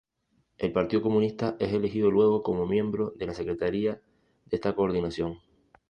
El Partido Comunista es elegido luego como miembro de la secretaría de esta coordinación.